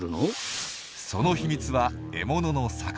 その秘密は獲物の魚。